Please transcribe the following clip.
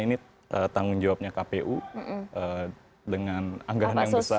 atau hal lain misalnya ini tanggung jawabnya kpu dengan anggaran yang besar